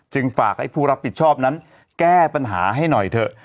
ฝากให้ผู้รับผิดชอบนั้นแก้ปัญหาให้หน่อยเถอะ